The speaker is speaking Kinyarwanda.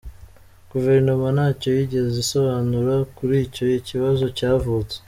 Guverinoma ntacyo yigeze isobanura kuri icyo kibazo cyavutse.